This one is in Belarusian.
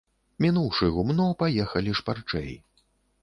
Мінуўшы гумно, паехалі шпарчэй.